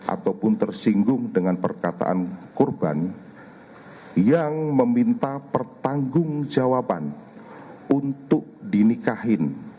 ataupun tersinggung dengan perkataan korban yang meminta pertanggung jawaban untuk dinikahin